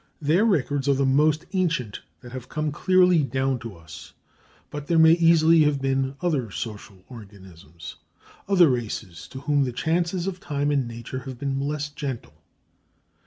Their records are the most ancient that have come clearly down to us; but there may easily have been other social organisms, other races, to whom the chances of time and nature have been less gentle.